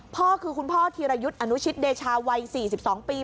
คุณพ่อคือคุณพ่อธีรยุทธ์อนุชิตเดชาวัย๔๒ปี